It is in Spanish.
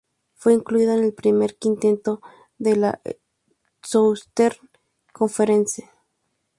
Fue incluido en el primer quinteto de la Southeastern Conference.